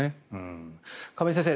亀井先生